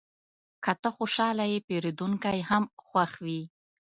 که ته خوشحاله یې، پیرودونکی هم خوښ وي.